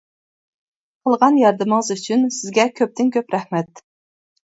قىلغان ياردىمىڭىز ئۈچۈن سىزگە كۆپتىن-كۆپ رەھمەت!